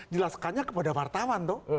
jelaskannya kepada wartawan tuh